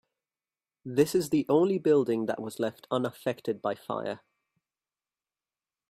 This is the only building that was left unaffected by fire.